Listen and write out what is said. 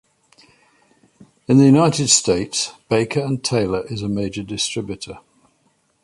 In the United States, Baker and Taylor is a major distributor.